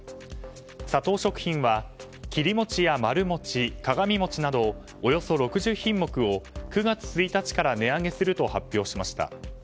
サトウ食品は切り餅やまる餅、鏡餅などおよそ６０品目を、９月１日から値上げすると発表しました。